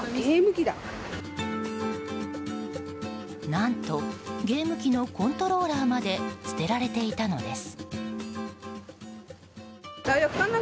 何と、ゲーム機のコントローラーまで捨てられていたのです。